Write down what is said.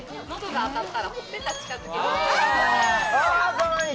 かわいい！